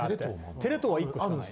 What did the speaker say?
テレ東は１個しかない。